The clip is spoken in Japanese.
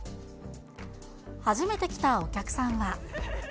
初めて来たお客さんは。